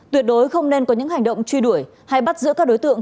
tuyệt đối không nên có những hành động truy đuổi hay bắt giữ các đối tượng